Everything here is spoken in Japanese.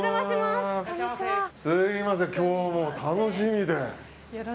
すみません、今日もう楽しみで。